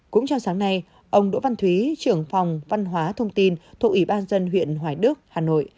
cũng trong sáng nay ông đỗ văn thúy trưởng phòng văn hóa thông tin thuộc ủy ban dân huyện hoài đức hà nội